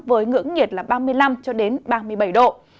với ngưỡng nhiệt ba mươi năm ba mươi bảy độ